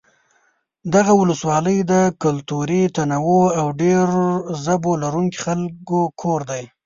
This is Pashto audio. دغه ولسوالۍ د کلتوري تنوع او ډېر ژبو لرونکو خلکو کور دی.